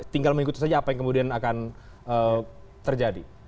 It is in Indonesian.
tinggal mengikuti saja apa yang kemudian akan terjadi